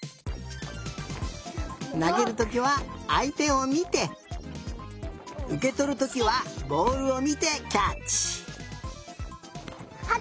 なげるときはあいてをみてうけとるときはボールをみてキャッチ！